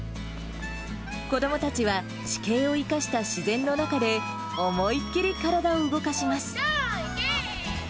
子どもたちは地形を生かした自然の中で、思いっ切り体を動かします。